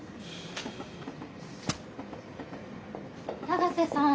永瀬さん。